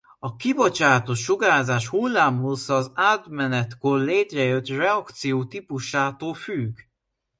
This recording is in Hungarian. A kibocsátott sugárzás hullámhossza az átmenetkor létrejött reakció típusától függ.